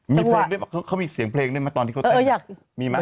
มีเพลงด้วยเขามีเสียงเพลงด้วยมั้ยตอนที่เขาเต้นเอออยากมีมั้ย